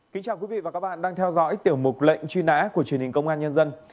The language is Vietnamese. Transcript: kính chào quý vị và các bạn đang theo dõi tiểu mục lệnh truy nã của truyền hình công an nhân dân